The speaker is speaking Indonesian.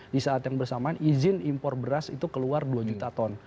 di saat yang bersamaan izin impor beras itu keluar dua juta ton